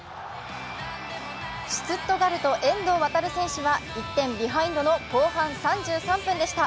シュツットガルト・遠藤航選手は１点ビハインドの後半３３分でした。